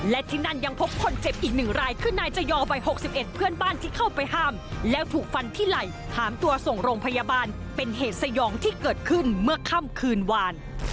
และที่นั่นยังพบคนเจ็บอีกหนึ่งรายคือนายจยอวัย๖๑เพื่อนบ้านที่เข้าไปห้ามแล้วถูกฟันที่ไหล่หามตัวส่งโรงพยาบาลเป็นเหตุสยองที่เกิดขึ้นเมื่อค่ำคืนวาน